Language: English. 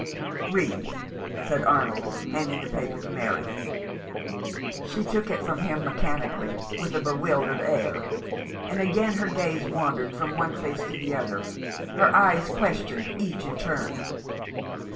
" Read," said Arnold, handing the paper to Mary. She took it from him mechanically, with a be wildered air, and again her gaze wandered from one face to the other ; her eyes questioned each in turn.